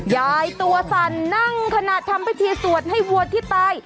ยายตัวสั่นนั่งขนาดทำพิธีสวดให้วัวที่ตาย